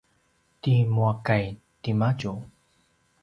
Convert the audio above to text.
ti muakay timadju